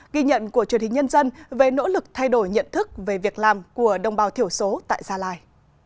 ghi nhận của truyền hình nhân dân về nỗ lực thay đổi nhận thức về việc làm của đồng bào thiểu số tại gia lai